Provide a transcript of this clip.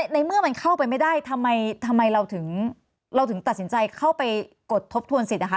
ในเมื่อมันเข้าไปไม่ได้ทำไมเราถึงเราถึงตัดสินใจเข้าไปกดทบทวนสิทธินะคะ